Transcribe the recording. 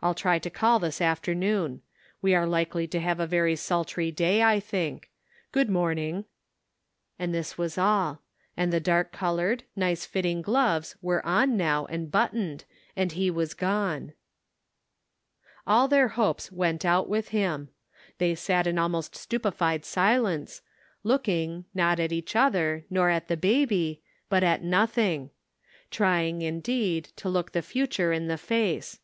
I'll try to call this afternoon. We are likely to have a very sultry day, I think. Good morning." And this was all. And the dark colored, uice fiiting gloves were on now and buttoned, and he was gone. 854 The Pocket Measure. All their hopes went out with him. They sat in almost stupefied silence, looking, not at each other, nor at the buby, but at nothing — trying, indeed, to look the future in the face.